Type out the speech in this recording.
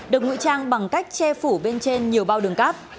được ngụy trang bằng cách che phủ bên trên nhiều bao đường cát